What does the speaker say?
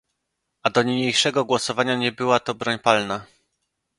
Aż do niniejszego głosowania nie była to broń palna